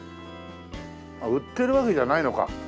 あっ売ってるわけじゃないのか。